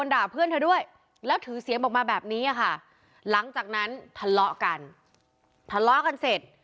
ร้านขายของชำฝั่งตรงข้ามบ้าน